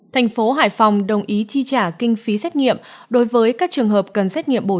thành phố hải phòng đồng ý chi trả kinh phí xét nghiệm đối với các trường hợp cần xét nghiệm bổ